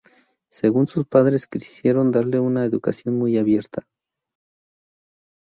Sus padres quisieron darle una educación muy abierta.